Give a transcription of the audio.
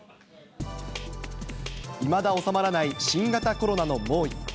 いまだ収まらない新型コロナの猛威。